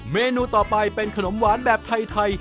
เมนูต่อไปเป็นขนมหวานแบบไทย